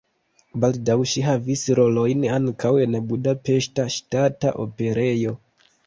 Baldaŭ ŝi havis rolojn ankaŭ en Budapeŝta Ŝtata Operejo.